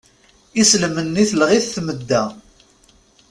Islem-nni telleɣ-it tmedda.